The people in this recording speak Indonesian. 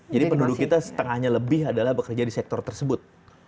jadi penduduk kita setengahnya lebih adalah bekerja di sektor tersebut